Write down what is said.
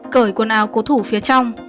cởi quần áo cố thủ phía trong